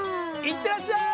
いってらっしゃい！